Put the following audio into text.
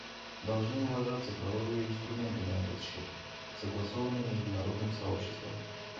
Должны уважаться правовые инструменты на этот счет, согласованные международным сообществом.